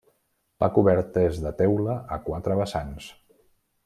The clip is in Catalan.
La coberta és de teula a quatre vessants.